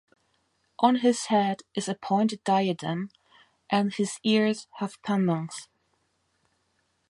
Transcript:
On his head is a pointed diadem, and his ears have pendants.